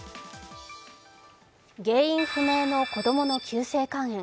原因不明の子供の急性肝炎。